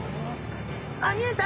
あっ見えた！